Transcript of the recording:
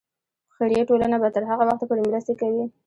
خیریه ټولنې به تر هغه وخته پورې مرستې کوي.